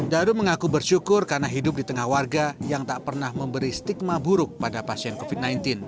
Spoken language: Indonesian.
daru mengaku bersyukur karena hidup di tengah warga yang tak pernah memberi stigma buruk pada pasien covid sembilan belas